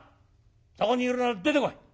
そこにいるなら出てこい。